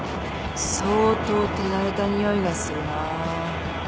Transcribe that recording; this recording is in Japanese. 相当手慣れたにおいがするなぁ。